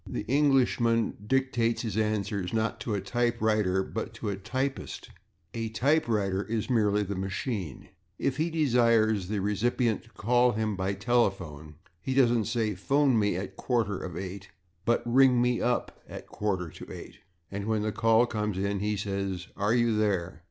The Englishman dictates his answers, not to a /typewriter/, but to a /typist/; a /typewriter/ is merely the machine. If he desires the recipient to call him by telephone he doesn't say, "/phone me/ at a quarter /of/ eight," but "/ring me up/ at a quarter /to/ eight." And when the call comes he says "/are you there?